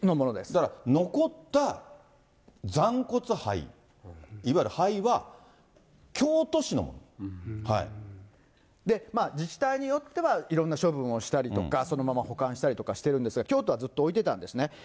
だから残った残骨灰、いわゆる灰は、で、自治体によってはいろんな処分をしたりとか、そのまま保管したりとかしてるんですが、京都はずっと置いてたんですね。